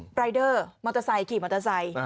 รายเดอร์มอเตอร์ไซค์ขี่มอเตอร์ไซค์